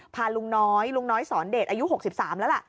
พาลุงน้อยลุงน้อยสอนเดชอายุ๖๓แล้วล่ะ